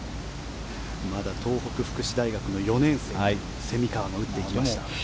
まだ東北福祉大学の４年生蝉川が打っていきました。